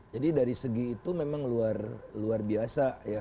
jadi dari segi itu memang luar biasa ya